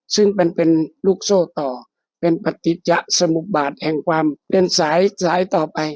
ซึ่งเป็นลูกโซ่ต่อเป็นปฏิจะสมุบาตแห่งความเป็นสายสายต่อไป